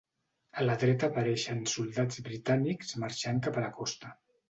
A la dreta apareixen soldats britànics marxant cap a la costa.